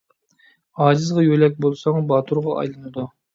ئاجىزغا يۆلەك بولساڭ، باتۇرغا ئايلىنىدۇ.